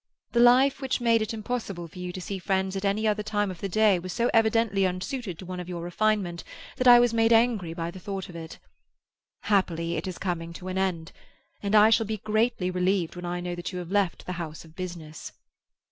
The life which made it impossible for you to see friends at any other time of the day was so evidently unsuited to one of your refinement that I was made angry by the thought of it. Happily it is coming to an end, and I shall be greatly relieved when I know that you have left the house of business.